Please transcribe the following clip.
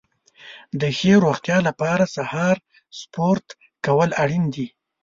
د ښې روغتیا لپاره سهار سپورت کول اړین دي.